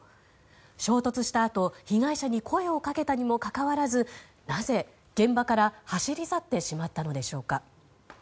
衝突したあと被害者に声をかけたにもかかわらずなぜ現場から、走り去ってしまったのでしょうか。